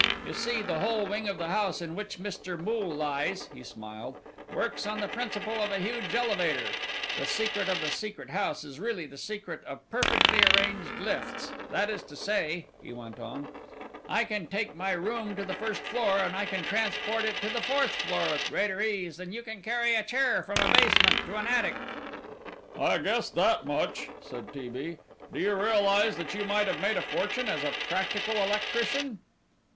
You see the whole wing of the house in which Mr. Moole lies," he smiled, "works on the principle of a huge elevator. The secret of the Secret House is really the secret of perfectly arranged lifts; that is to say," he went on, "I can take my room to the first floor and I can transport it to the fourth floor with greater ease than you can carry a chair from a basement to an attic." "I guessed that much," said T. B. "Do you realize that you might have made a fortune as a practical electrician?"